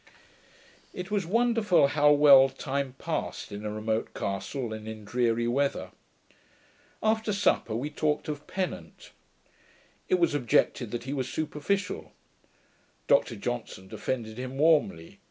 It was wonderful how well time passed in a remote castle, and in dreary weather. After supper, we talked of Pennant. It was objected that he was superficial. Dr Johnson defended him warmly.